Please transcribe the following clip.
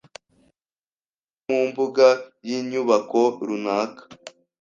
cyangwa se mu mbuga y’inyubako runaka